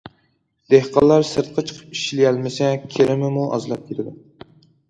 دېھقانلار سىرتقا چىقىپ ئىشلىيەلمىسە، كىرىمىمۇ ئازلاپ كېتىدۇ.